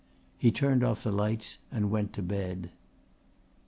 He turned off the lights and went to bed.